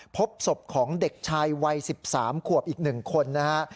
พบศพของเด็กชายวัย๑๓ขวบอีก๑คนนะฮะ